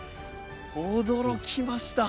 驚きました。